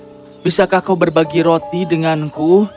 saudaraku kumohon bisakah kau berbagi roti denganku